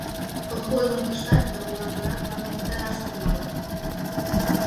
Колхозым ыштат да уланрак-влакым пытараш тӱҥалыт.